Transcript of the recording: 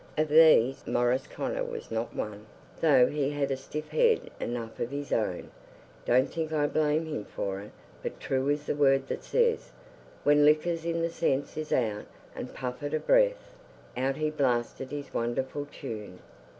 Of these Maurice Connor was not one, though he had a stiff head enough of his own. Don't think I blame him for it; but true is the word that says, 'When liquor's in sense is out'; and puff, at a breath, out he blasted his wonderful tune.